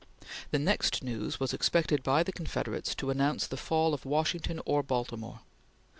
The next news was expected by the Confederates to announce the fall of Washington or Baltimore.